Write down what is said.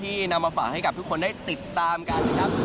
นำมาฝากให้กับทุกคนได้ติดตามกันครับ